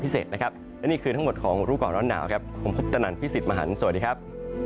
สวัสดีครับ